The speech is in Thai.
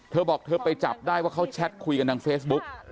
เธอบอกเธอไปจับได้ว่าเขาแชทคุยกันทางเฟซบุ๊ก